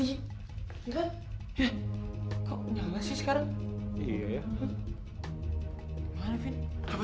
iya ya kok nyala sih sekarang iya ya